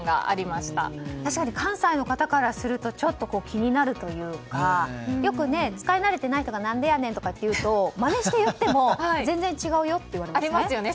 確かに関西の方からするとちょっと気になるというかよく使い慣れていない人がなんでやねんって言うとまねして言っても全然違うよって言われますよね。